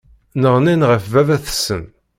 Nneɣnin ɣef baba-tsen.